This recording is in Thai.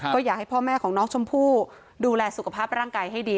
ก็อยากให้พ่อแม่ของน้องชมพู่ดูแลสุขภาพร่างกายให้ดี